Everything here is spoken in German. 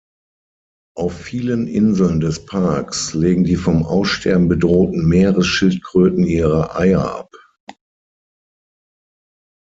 Auf vielen Inseln des Parks legen die vom Aussterben bedrohten Meeresschildkröten ihre Eier ab.